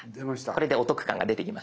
これでお得感が出てきました。